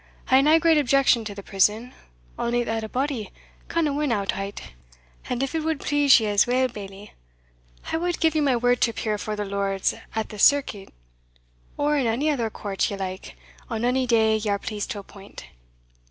"I hae nae great objection to the prison, only that a body canna win out o't; and if it wad please you as weel, Bailie, I wad gie you my word to appear afore the Lords at the Circuit, or in ony other coart ye like, on ony day ye are pleased to appoint."